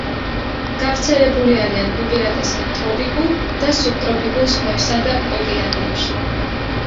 გავრცელებული არიან უპირატესად ტროპიკულ და სუბტროპიკულ ზღვებსა და ოკეანეებში.